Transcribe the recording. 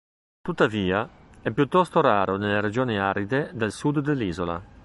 Tuttavia, è piuttosto raro nelle regioni aride del sud dell'isola.